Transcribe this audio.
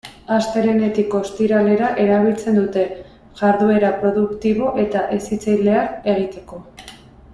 Astelehenetik ostiralera erabiltzen dute, jarduera produktibo eta hezitzaileak egiteko.